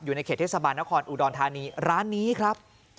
อยู่ในเขตเทศบาลนครอุดรธานีร้านนี้ครับ